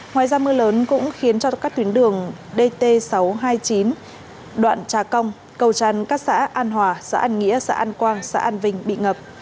ngoài ra mưa lớn cũng khiến cho các tuyến đường dt sáu trăm hai mươi chín đoạn trà cong cầu tràn các xã an hòa xã an nghĩa xã an quang xã an vinh bị ngập